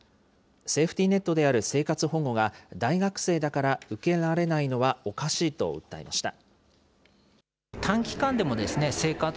セーフティネットである生活保護が、大学生だから受けられないのはおかしいと訴えました。